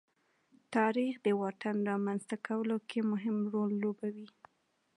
تاریخ د واټن رامنځته کولو کې مهم رول لوبوي.